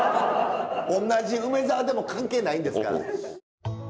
同じ「うめざわ」でも関係ないんですから。